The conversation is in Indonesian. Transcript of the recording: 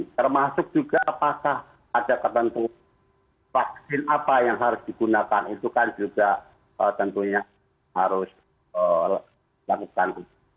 termasuk juga apakah ada ketentuan vaksin apa yang harus digunakan itu kan juga tentunya harus dilakukan